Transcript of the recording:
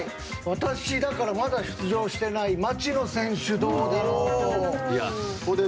私、まだ出場してない町野選手、どうだろうかと。